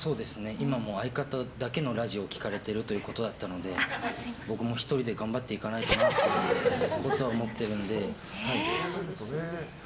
今も相方だけのラジオを聴かれてるということだったので僕も１人で頑張っていかないといけないなというのは思っているので。